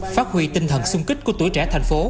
phát huy tinh thần sung kích của tuổi trẻ thành phố